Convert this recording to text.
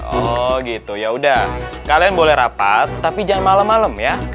oh gitu yaudah kalian boleh rapat tapi jangan malam malam ya